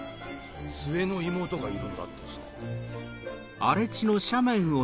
末の妹がいるんだってさ。